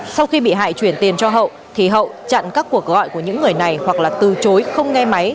sau khi bị hại chuyển tiền cho hậu thì hậu chặn các cuộc gọi của những người này hoặc là từ chối không nghe máy